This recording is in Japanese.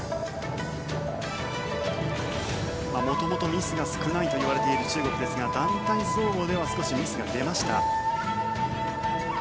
元々ミスが少ないといわれている中国ですが団体総合では少しミスが出ました。